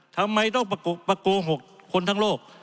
ทำไมต้องมาโกหกคนทั้งโลก